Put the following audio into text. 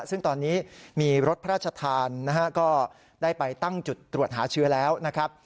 ซึ่งตอนนี้มีรถพระราชทานนะฮะก็ได้ไปตั้งจุดตรวจหาเชื้อแล้วนะครับ